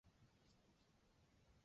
刘邦出征皆与樊哙一同。